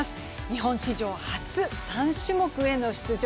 日本史上初３種目への出場。